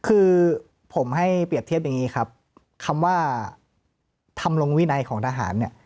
คือผมให้เปรียบเทียบอย่างนี้ครับคำว่าทำลงวินัยของทหารเนี่ย